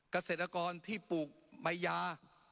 เกษตรกรที่ปลูกมายา